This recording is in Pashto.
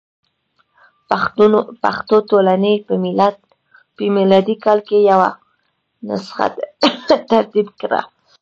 پښتو ټولنې په میلادي کال کې یوه نسخه ترتیب کړه.